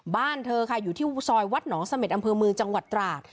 บ้านเธอค่ะอยู่ที่ซอยวัดหนองเสม็ดอำเภอเมืองจังหวัดตราด